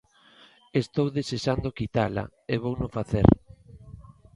Estou desexando quitala e vouno facer.